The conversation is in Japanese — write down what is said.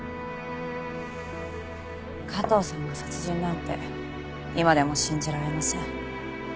加藤さんが殺人なんて今でも信じられません。